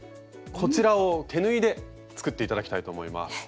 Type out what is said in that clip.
こちらを手縫いで作っていただきたいと思います。